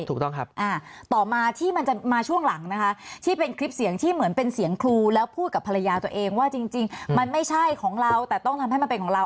ถูกต้องครับต่อมาที่มันจะมาช่วงหลังนะคะที่เป็นคลิปเสียงที่เหมือนเป็นเสียงครูแล้วพูดกับภรรยาตัวเองว่าจริงมันไม่ใช่ของเราแต่ต้องทำให้มันเป็นของเรา